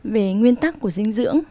về nguyên tắc của dinh dưỡng